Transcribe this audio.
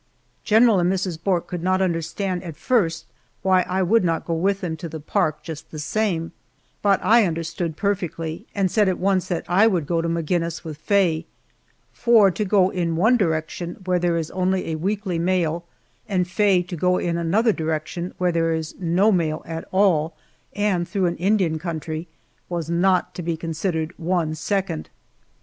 General and Mrs. Bourke could not understand at first why I would not go with them to the park, just the same, but I understood perfectly, and said at once that I would go to Maginnis with Faye. For, to go in one direction where there is only a weekly mail, and Faye to go in another direction where there is no mail at all, and through an Indian country, was not to be considered one second.